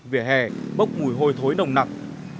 vỉa hè bốc mùi hôi thối nồng nặng